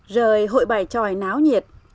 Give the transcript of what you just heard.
rời hội bài tròi náo nhiệt